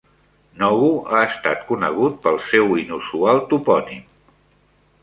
Nogo ha estat conegut pel seu inusual topònim.